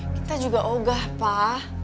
kita juga ogah pak